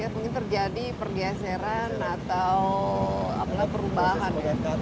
mungkin terjadi pergeseran atau perubahan